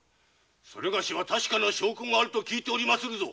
それがしは確かな証拠があると聞いておりますぞ。